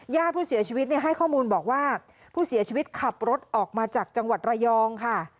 ญาติผู้เสียชีวิตให้ข้อมูลบอกว่าผู้เสียชีวิตขับรถออกมาจากจังหวัดระยองค่ะ